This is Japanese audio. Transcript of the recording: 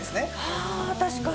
はあ確かに！